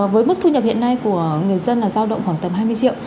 với mức thu nhập hiện nay của người dân là giao động khoảng tầm hai mươi triệu